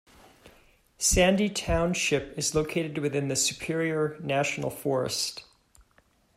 Sandy Township is located within the Superior National Forest.